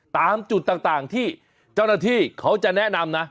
ตามจุดต่างที่เจ้าหน้าที่เขาจะแนะนำนะ